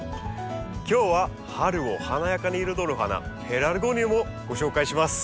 今日は春を華やかに彩る花ペラルゴニウムをご紹介します。